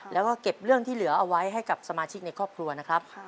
แล้วก็เก็บเรื่องที่เหลือเอาไว้ให้กับสมาชิกในครอบครัวนะครับ